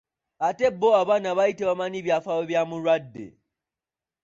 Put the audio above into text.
Ate bo abaana baali tebamanyi byafaayo bya mulwadde.